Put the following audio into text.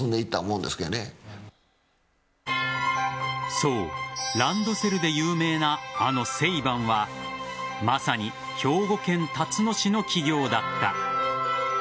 そう、ランドセルで有名なあのセイバンはまさに兵庫県たつの市の企業だった。